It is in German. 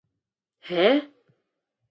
Häh?